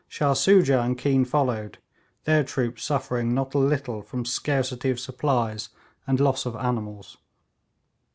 Shah Soojah and Keane followed, their troops suffering not a little from scarcity of supplies and loss of animals.